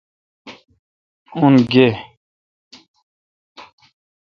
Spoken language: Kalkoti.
ان گے۔